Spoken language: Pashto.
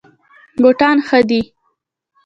بوټان ښه دي.